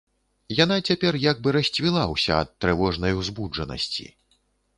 Яна цяпер як бы расцвіла ўся ад трывожнай узбуджанасці.